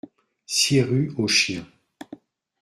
six rue Aux Chiens